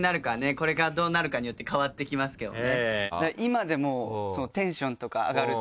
これからどうなるかによって変わってきますけどもね。